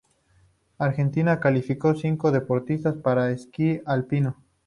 Argentina calificó cinco deportistas para esquí alpino.